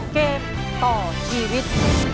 เกมต่อชีวิต